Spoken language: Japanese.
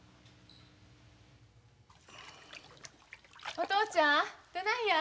・お父ちゃんどないや？